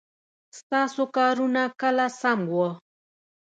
ستاسو کارونه کله سم وه ؟